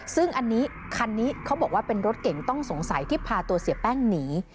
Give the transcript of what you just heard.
ซึ่งอันนี้คันนี้เขาบอกว่าเป็นรถเก่งต้องสงสัยที่พาตัวเสียแป้งหนี